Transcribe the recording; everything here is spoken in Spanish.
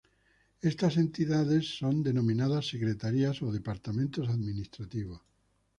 Estas Entidades son denominadas Secretarías o Departamentos Administrativos.